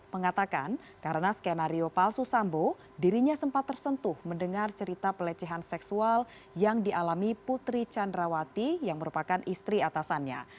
mengatakan karena skenario palsu sambo dirinya sempat tersentuh mendengar cerita pelecehan seksual yang dialami putri candrawati yang merupakan istri atasannya